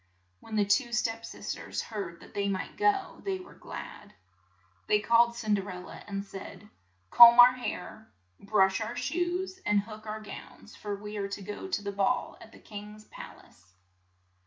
When the two s£ep sis ters heard that they might go, they were glad. They called Cin der el la, and said, "Comb our hair, brush our shoes, and hook our gowns, for we are to go to the ball at the king's pal ace."